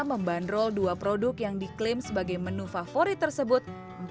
membandrol dua produk yang diklaim sebagai menu favorit tersebut